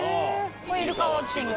これイルカウオッチング。